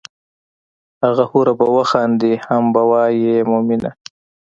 هغه حوره به وخاندي هم به وائي ای مومنه!